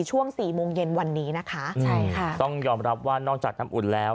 ช่วงสี่โมงเย็นวันนี้นะคะใช่ค่ะต้องยอมรับว่านอกจากน้ำอุ่นแล้ว